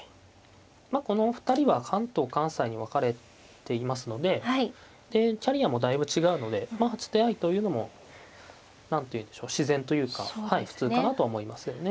まあこのお二人は関東関西に分かれていますのででキャリアもだいぶ違うのでまあ初手合いというのも何ていうんでしょう自然というか普通かなとは思いますよね。